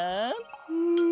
うん。